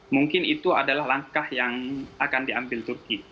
mungkin itu adalah langkah yang akan diambil turki